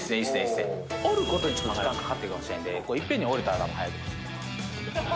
「折る事にちょっと時間かかってるかもしれないんでいっぺんに折れたら早いと思います」